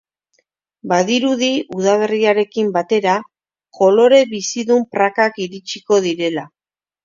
Badirudi, udaberriarekin batera kolore bizidun prakak iritsiko direla.